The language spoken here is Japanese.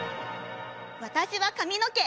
私は髪の毛！